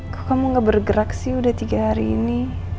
kok kamu gak bergerak sih udah tiga hari ini